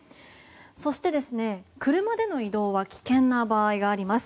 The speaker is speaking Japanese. そして、車での移動は危険な場合があります。